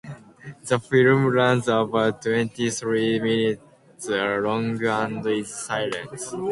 The film runs about twenty-three minutes long and is silent.